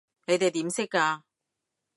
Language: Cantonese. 你哋點識㗎？